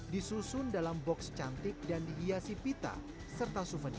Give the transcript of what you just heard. disusun dalam box cantik dan dihiasi pita serta suvenir